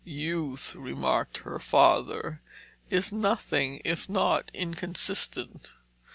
"Youth," remarked her father, "is nothing if not inconsistent.